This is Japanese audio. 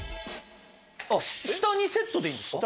下にセットでいいんですか？